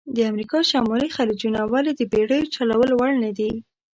د امریکا شمالي خلیجونه ولې د بېړیو چلول وړ نه دي؟